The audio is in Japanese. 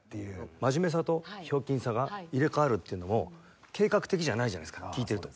真面目さとひょうきんさが入れ替わるっていうのを計画的じゃないじゃないですか聴いてると。